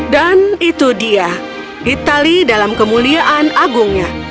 dan itu dia itali dalam kemuliaan agungnya